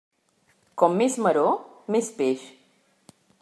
Com més maror, més peix.